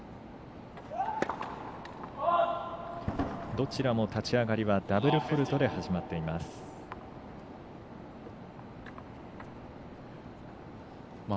どちらも立ち上がりはダブルフォールトで始まっています。